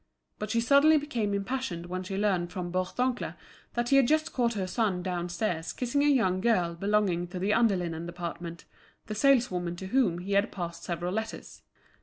But she suddenly became impassioned when she learnt from Bourdoncle that he had just caught her son downstairs kissing a young girl belonging to the under linen department, the saleswoman to whom he had passed several letters.